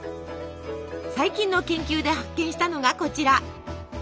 最近の研究で発見したのがこちら。